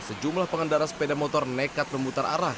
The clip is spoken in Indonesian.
sejumlah pengendara sepeda motor nekat memutar arah